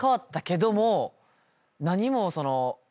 何もその。